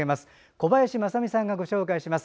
小林まさみさんが紹介します。